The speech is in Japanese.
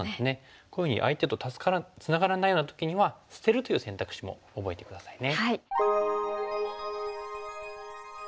こういうふうに相手とつながらないような時には捨てるという選択肢も覚えて下さいね。